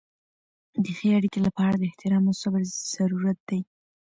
د ښې اړیکې لپاره د احترام او صبر ضرورت دی.